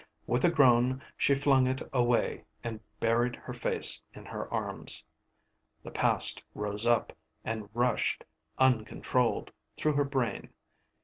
With a groan she flung it away and buried her face in her arms. The past rose up, and rushed, uncontrolled, through her brain.